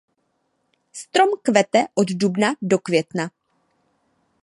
Strom kvete od dubna do května.